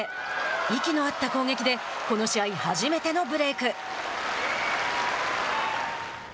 息の合った攻撃でこの試合、初めてのブレーク。